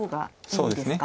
そうですね